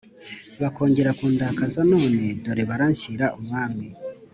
bakongera kundakaza None dore baranshyira umwami